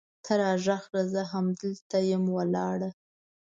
ته راږغ کړه! زه هم هلته یم ولاړه